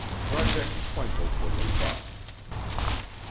Project Twinkle was a bust.